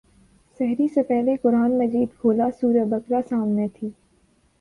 سحری سے پہلے قرآن مجید کھولا سورہ بقرہ سامنے تھی۔